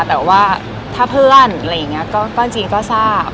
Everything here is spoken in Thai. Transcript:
แต่ว่าถ้าเพื่อนอะไรอย่างนี้ก็จริงก็ทราบ